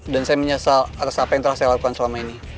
saya menyesal atas apa yang telah saya lakukan selama ini